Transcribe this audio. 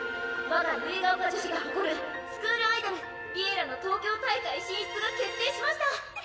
我が結ヶ丘女子が誇るスクールアイドル『Ｌｉｅｌｌａ！』の東京大会進出が決定しました！」。